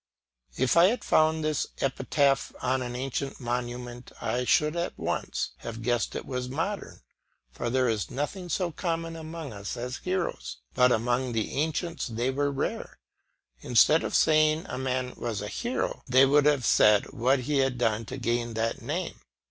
If I had found this epitaph on an ancient monument, I should at once have guessed it was modern; for there is nothing so common among us as heroes, but among the ancients they were rare. Instead of saying a man was a hero, they would have said what he had done to gain that name.